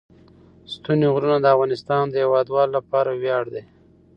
ستوني غرونه د افغانستان د هیوادوالو لپاره ویاړ دی.